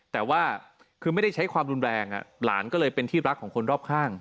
แต่ว่าคือไม่ได้ใช้ความรุนแรงหลานก็เลยเป็นที่รักของคนรอบข้าง